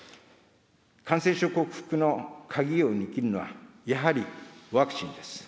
感染症克服の鍵を握るのはやはりワクチンです。